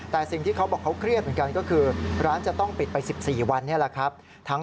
แต่สิ่งที่เขาบอกเขาเครียดเหมือนกันก็คือร้านจะต้องปิดไป๑๔วันนี่แหละครับ